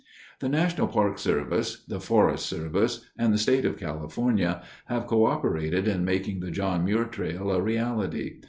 The National Park Service, the Forest Service, and the State of California have coöperated in making the John Muir Trail a reality.